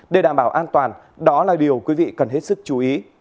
để đảm bảo an toàn đó là điều quý vị cần hết sức chú ý